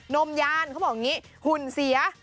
นมยานเขาบอกอย่างนี้หุ่นเสีย